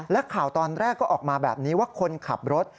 และข่าวตอนแรกก็ออกมาแบบนี้ว่าคนขับรถ